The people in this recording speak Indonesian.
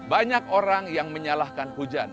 banyak orang yang menyalahkan hujan